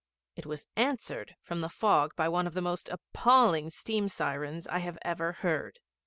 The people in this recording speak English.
It was answered from the fog by one of the most appalling steam sirens I have ever heard.